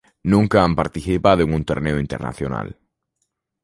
Nunca han participado en un torneo internacional.